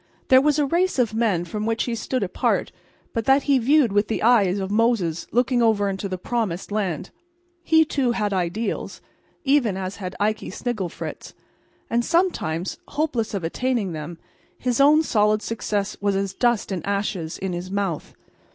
There was a race of men from which he stood apart but that he viewed with the eye of Moses looking over into the promised land. He, too, had ideals, even as had Ikey Snigglefritz; and sometimes, hopeless of attaining them, his own solid success was as dust and ashes in his mouth.